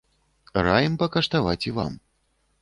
Раім пакаштаваць і вам.